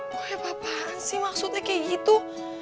lo kayak apa apaan sih maksudnya kayak gitu